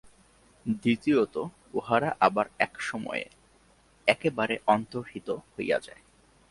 দ্বিতীয়ত উহারা আবার একসময়ে একেবারে অন্তর্হিত হইয়া যায়।